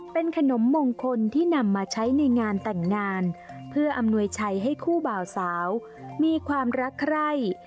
เป็นขนมมงคลที่นำมาใช้ในงานแต่งงานเพื่ออำนวยชัยให้คู่บ่าวสาวมีความรักใคร่